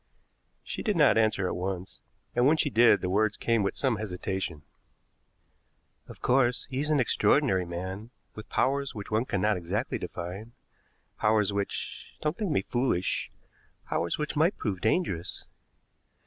She did not answer at once, and when she did the words came with some hesitation. "Of course, he is an extraordinary man, with powers which one cannot exactly define, powers which don't think me foolish powers which might prove dangerous.